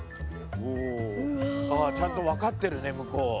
ああちゃんと分かってるね向こう。